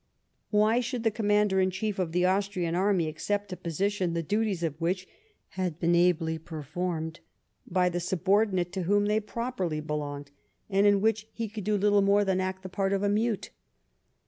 ^^'hy should the Com mander in chief of the Austrian army accept a position, the duties of which had been ably performed by the sub €0 LIFE OF PRINCE METTEBNICR. ordinate to whom they properly belonged, and in which he could do little more than act the part of a mute.